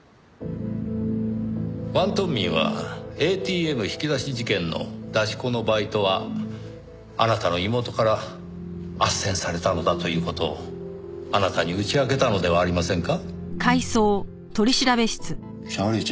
王東明はＡＴＭ引き出し事件の出し子のバイトはあなたの妹から斡旋されたのだという事をあなたに打ち明けたのではありませんか？